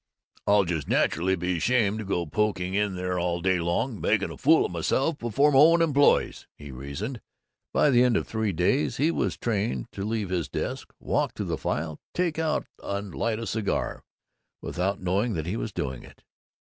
"I'll just naturally be ashamed to go poking in there all day long, making a fool of myself before my own employees!" he reasoned. By the end of three days he was trained to leave his desk, walk to the file, take out and light a cigar, without knowing that he was doing it.